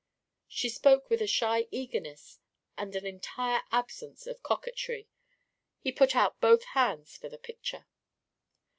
She spoke with a shy eagerness and an entire absence of coquetry. He put out both hands for the picture.